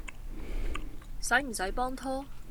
駛唔駛幫拖？